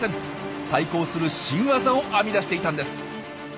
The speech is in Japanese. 対抗する新ワザを編み出していたんです。